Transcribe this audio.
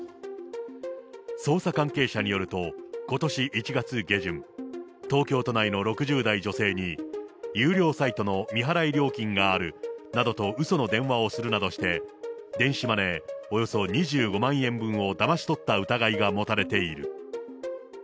捜査関係者によると、ことし１月下旬、東京都内の６０代女性に有料サイトの未払い料金があるなどと、うその電話をするなどして、電子マネーおよそ２５万円分をだまし取った疑いが持たれている。